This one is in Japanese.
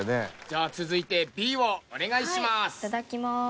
じゃあ続いてＢをお願いします。